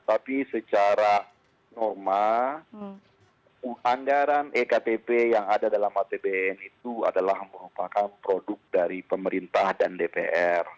tapi secara normal anggaran ektp yang ada dalam apbn itu adalah merupakan produk dari pemerintah dan dpr